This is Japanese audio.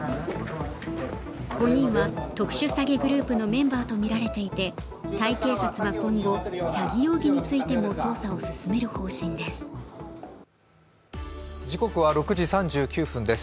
５人は特殊詐欺グループのメンバーとみられていて、タイ警察は今後詐欺容疑についても捜査を進める方針です。